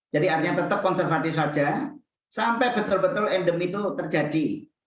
jadi artinya tetap konservatif saja sampai betul betul endem itu terjadi